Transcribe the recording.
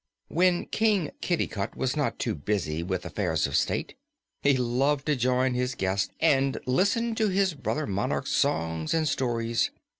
When King Kitticut was not too busy with affairs of state he loved to join his guest and listen to his brother monarch's songs and stories.